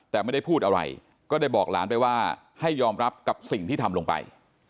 แต่ไม่ได้พูดอะไรก็ได้บอกหลานไปว่าให้ยอมรับกับสิ่งที่ทำลงไป